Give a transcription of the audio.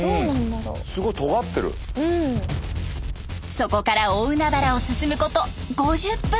そこから大海原を進むこと５０分。